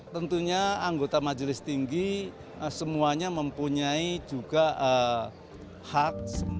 tentunya anggota majelis tinggi semuanya mempunyai juga hak